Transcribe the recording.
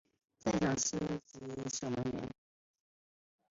在场上司职守门员。